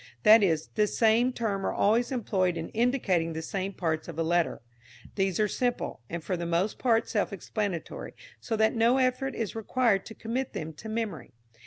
That is, the same terms are always employed in indicating the same parts of a letter. These are simple, and for the most part self explanatory, so that no effort is required to commit them to memory.